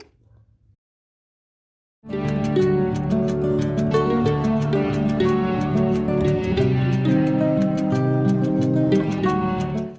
hãy đăng ký kênh để ủng hộ kênh của mình nhé